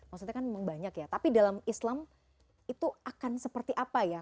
maksudnya kan memang banyak ya tapi dalam islam itu akan seperti apa ya